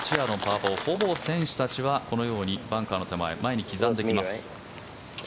４ほぼ選手たちはこのようにバンカーの手前前に刻んできます。